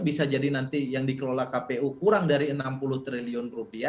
bisa jadi nanti yang dikelola kpu kurang dari rp enam puluh triliun